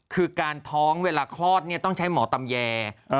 คือการท้องเวลาคลอดเนี่ยต้องใช้หมอตำแย